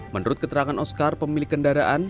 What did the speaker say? menurut keterangan oscar pemilik kendaraan